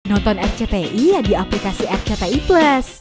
nonton rcti di aplikasi rcti plus